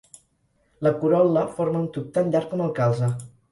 La corol·la forma un tub tan llarg com el calze.